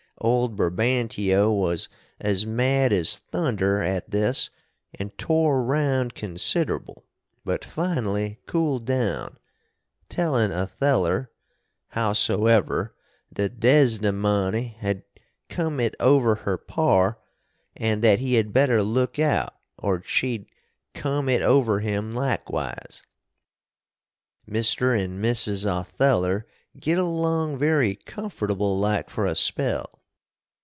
Old Brabantio was as mad as thunder at this & tore round considerable, but finally cooled down, tellin Otheller, howsoever, that Desdemony had come it over her par, & that he had better look out or she'd come it over him likewise. Mr. and Mrs. Otheller git along very comfortable like for a spell.